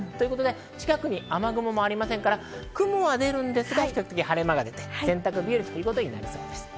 近くに雨雲もありませんから、雲は出るんですが、比較的晴れ間が出て洗濯日和になりそうです。